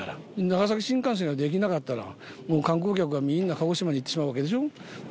長崎新幹線ができなかったらもう観光客がみんな鹿児島に行ってしまうわけでしょ。